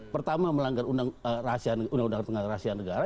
pertama melanggar undang undang rahasiaan negara